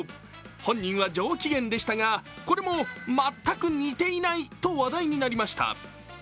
本人は上機嫌でしたがこれも全く似ていないと話題になりました。